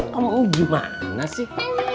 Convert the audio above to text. kamu gimana sih